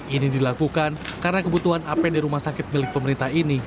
ini dilakukan karena kebutuhan ap di rumah sakit milik pemerintah ini